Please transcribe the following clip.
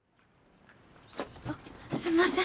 あっすんません。